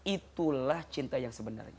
itulah cinta yang sebenarnya